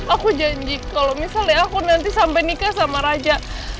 aku janji kalau misalnya aku nanti sampai nikah sama raja